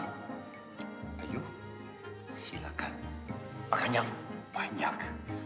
ayo silahkan makan yang banyak